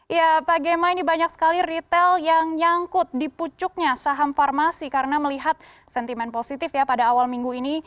ya pak gemma ini banyak sekali retail yang nyangkut di pucuknya saham farmasi karena melihat sentimen positif ya pada awal minggu ini